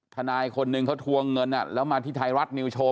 ธนายคนนึงเค้าถวงเงินแล้วมาที่นรชนีวชน์